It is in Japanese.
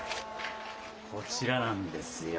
こちらなんですよ。